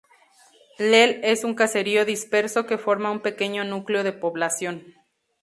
Lel es un caserío disperso que forma un pequeño núcleo de población.